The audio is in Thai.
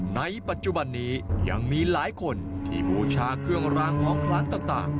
ในปัจจุบันนี้ยังมีหลายคนที่บูชาเครื่องรางของคล้างต่าง